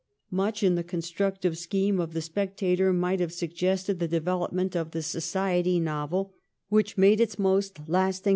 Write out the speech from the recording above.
Much in the constructive scheme of ' The Spectator ' might have suggested the develop ment of the society novel which made its most lasting 171] ADDISON AND STEELE.